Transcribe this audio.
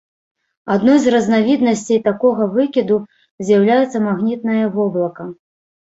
Адной з разнавіднасцей такога выкіду з'яўляецца магнітнае воблака.